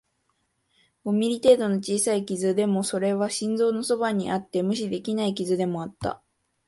五ミリ程度の小さい傷、でも、それは心臓のそばにあって無視できない傷でもあった